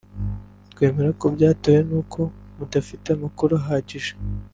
twemera ko byatewe n’uko mudafite amakuru ahagije”